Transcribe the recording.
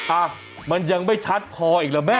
อ่ะมันยังไม่ชัดพออีกแล้วแม่